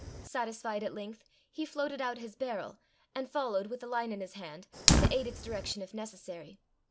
Satisfied at length, he floated out his barrel, and followed with the line in his hand, to aid its direction if necessary.